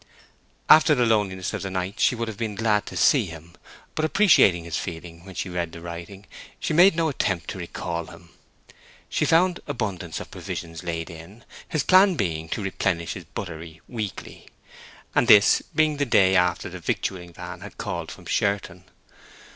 After the loneliness of the night, she would have been glad to see him; but appreciating his feeling when she read the writing, she made no attempt to recall him. She found abundance of provisions laid in, his plan being to replenish his buttery weekly, and this being the day after the victualling van had called from Sherton.